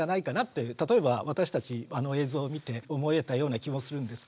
例えば私たちあの映像を見て思えたような気もするんですけれども。